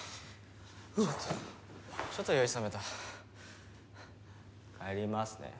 ちょっと酔い覚めた帰りますね